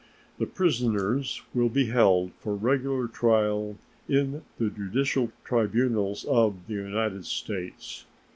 The prisoners will be held for regular trial in the judicial tribunals of the United States.